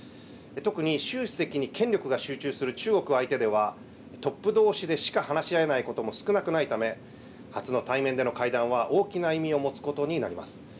特に習主席に権力が集中する中国相手では、トップどうしでしか話し合えないことも少なくないため、初の対面での会談は大きな意味を持つことになります。